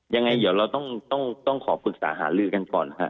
ยังไงเดี๋ยวเราต้องขอปรึกษาหาลือกันก่อนครับ